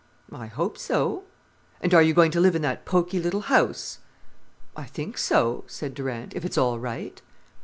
"I hope so." "And are you going to live in that poky little house?" "I think so," said Durant, "if it's all right."